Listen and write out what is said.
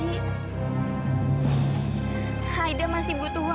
ibu aida masih butuh waktu bu